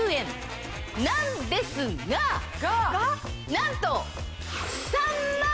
なんと。